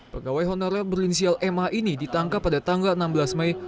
pegawai honorer berinisial ma ini ditangkap pada tanggal enam belas mei